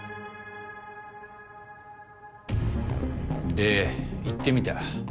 で行ってみた。